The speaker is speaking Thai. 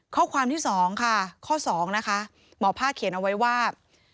ข้อความที่๒ค่ะข้อ๒นะคะหมอภาคเขียนเอาไว้ว่า